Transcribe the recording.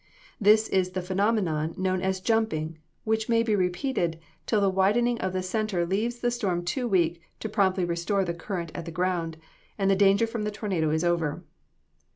This is the phenomenon known as "jumping," which may be repeated till the widening of the center leaves the storm too weak to promptly restore the current at the ground, and the danger from the tornado is over.